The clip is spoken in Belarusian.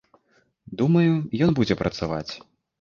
Думаю, ён будзе працаваць.